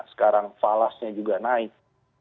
sekarang falasnya juga naik